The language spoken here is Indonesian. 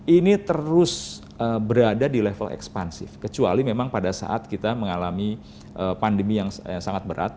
ini terus berada di level ekspansif kecuali memang pada saat kita mengalami pandemi yang sangat berat